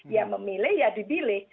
ya memilih ya dibilih